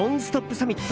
サミット。